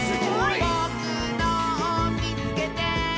「ぼくのをみつけて！」